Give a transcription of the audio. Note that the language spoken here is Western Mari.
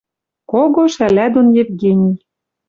Кого шӓлӓ дон Евгений».